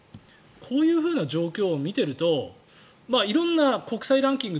こういう状況を見ていると色んな国際ランキング